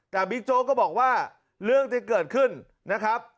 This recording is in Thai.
แต่บิ๊กโจ๊กก็บอกว่าเรื่องที่เกิดขึ้นนะครับ